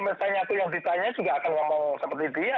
misalnya aku yang ditanya juga akan ngomong seperti dia